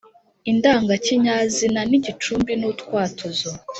indangakinyazina nigicumbi nu twatuzo